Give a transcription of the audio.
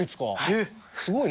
えっ。